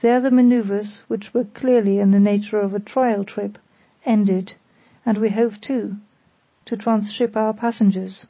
There the manœuvres, which were clearly in the nature of a trial trip, ended; and we hove to, to transship our passengers.